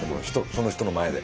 その人の前で。